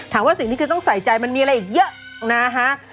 สิ่งที่คือต้องใส่ใจมันมีอะไรอีกเยอะนะฮะ